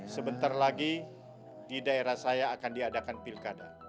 sebentar lagi di daerah saya akan diadakan pilkada